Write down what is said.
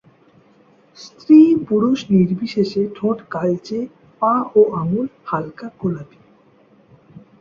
স্ত্রী-পুরুষনির্বিশেষে ঠোঁট কালচে; পা ও আঙুল হালকা গোলাপি।